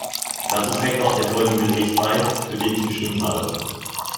Dazu trägt auch der vorliegende Bericht bei, für den ich gestimmt habe.